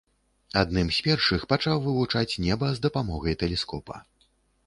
Адным з першых пачаў вывучаць неба з дапамогай тэлескопа.